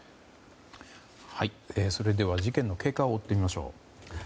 それでは事件の経過を追ってみましょう。